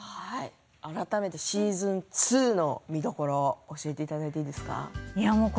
改めてシーズン２の見どころを教えていただいてよろしいですか？